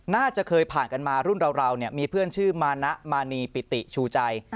น่าจะเคยผ่านกันมารุ่นเรามีเพื่อนชื่อมานะมานีปิติชูใจ